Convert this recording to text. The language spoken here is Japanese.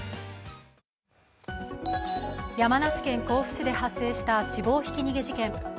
山梨県甲府市で発生した死亡ひき逃げ事件。